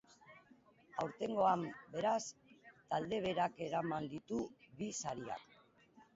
Aurtengoan, beraz, talde berak eraman ditu bi sariak.